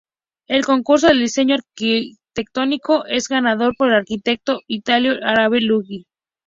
El concurso del diseño arquitectónico es ganado por el arquitecto ítalo-árabe Luigi Abd-el-Kader.